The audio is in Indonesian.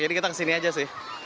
jadi kita kesini aja sih